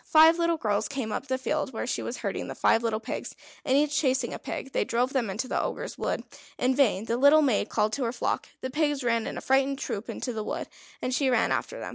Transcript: Five little girls came up to the field where she was herding the five little pigs, and each chasing a pig, they drove them into the Ogre's wood. In vain the little maid called to her flock; the pigs ran in a frightened troop into the wood, and she ran after them.